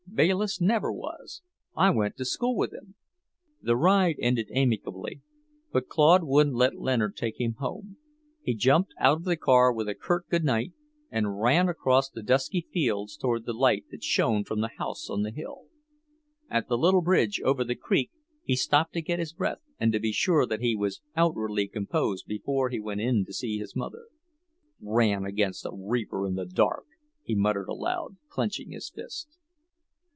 Bayliss never was. I went to school with him." The ride ended amicably, but Claude wouldn't let Leonard take him home. He jumped out of the car with a curt goodnight, and ran across the dusky fields toward the light that shone from the house on the hill. At the little bridge over the creek, he stopped to get his breath and to be sure that he was outwardly composed before he went in to see his mother. "Ran against a reaper in the dark!" he muttered aloud, clenching his fist.